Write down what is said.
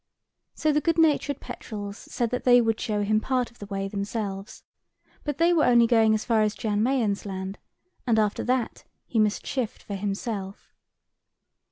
So the good natured petrels said that they would show him part of the way themselves, but they were only going as far as Jan Mayen's Land; and after that he must shift for himself.